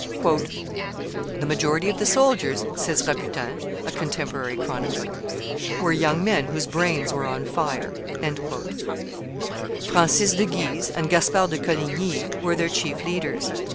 "The majority of the soldiers," says Rabutin, a contemporary chronicler, "were young men whose brains were on fire." Francis de Guise and Gaspard de Coligny were their chief leaders.